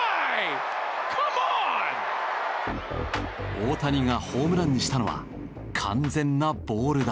大谷がホームランにしたのは完全なボール球。